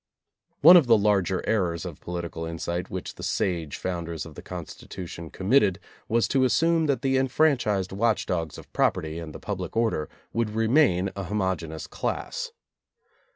One of the larger errors of political insight which the sage founders of the Constitution com mitted was to assume that the enfranchised watch dogs of property and the public order would re main a homogeneous class.